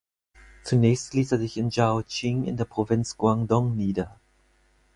Zunächst lässt er sich in Zhaoqing in der Provinz Guangdong nieder.